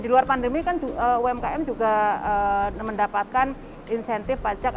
di luar pandemi kan umkm juga mendapatkan insentif pajak